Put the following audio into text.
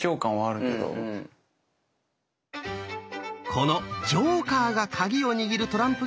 この「ジョーカー」が鍵を握るトランプ